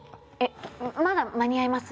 まだ間に合います？